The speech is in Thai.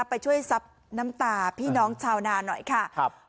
ไปช่วยซับน้ำตาพี่น้องชาวนาหน่อยค่ะครับ